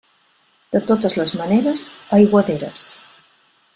De totes les maneres, aiguaderes.